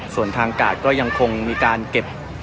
ส่วนทางกาดก็ยังคงมีการเก็บ